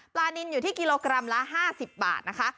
นินอยู่ที่กิโลกรัมละ๕๐บาทนะคะ